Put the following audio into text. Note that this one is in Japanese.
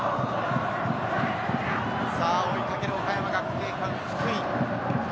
追いかける岡山学芸館・福井。